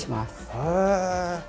へえ。